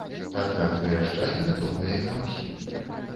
Аднак выязджаць гатовыя не ўсе.